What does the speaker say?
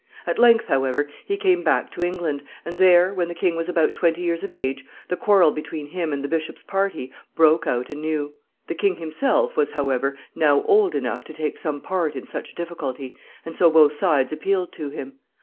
At length, however, he came back to England, and there, when the king was about twenty years of age, the quarrel between him and the bishop's party broke out anew. The king himself was, however, now old enough to take some part in such a difficulty, and so both sides appealed to him.